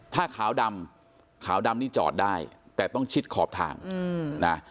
ถ้าขาวดำขาวดำนี่จอดได้แต่ต้องชิดขอบทางนะ